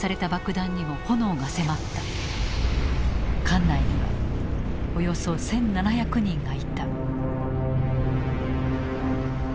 艦内にはおよそ１，７００人がいた。